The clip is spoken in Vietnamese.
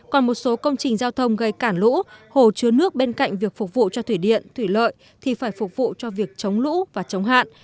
còn một số công trình giao thông gây cản lũ hồ chứa nước bên cạnh việc phục vụ cho thủy điện thủy lợi thì phải phục vụ cho việc chống lũ và chống hạn